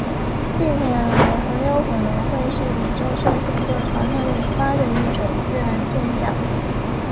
并且也很可能会是宇宙射线就常常引发的一种自然现象。